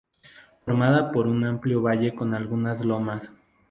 Formada por un amplio valle con algunas lomas.